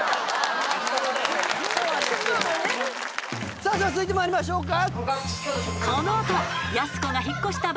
さあ続いて参りましょうか。